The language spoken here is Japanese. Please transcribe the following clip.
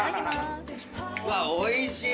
うわおいしい！